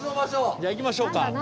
じゃあ行きましょうか。